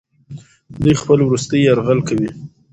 دوی خپل وروستی یرغل کوي.